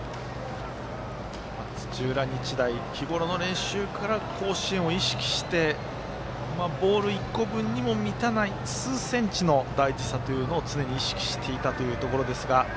土浦日大、日頃の練習から甲子園を意識してボール１個分にも満たない数センチの大事さというのを常に意識していたというところですが。